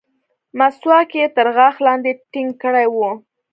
مسواک يې تر غاښ لاندې ټينګ کړى و.